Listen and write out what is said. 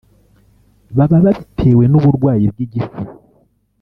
baba babitewe n’uburwayi bw’igifu